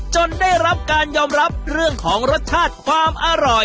ได้รับการยอมรับเรื่องของรสชาติความอร่อย